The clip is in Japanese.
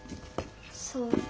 そう。